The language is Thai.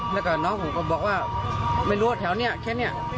แล้วก็น้องผมก็บอกว่าไม่รู้ว่าแถวนี้แค่นี้